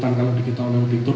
tanggal digital lewat pintur